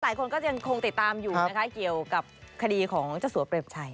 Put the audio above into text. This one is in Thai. หลายคนก็ยังคงติดตามอยู่นะคะเกี่ยวกับคดีของเจ้าสัวเปรมชัย